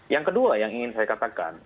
yang kedua yang ingin saya katakan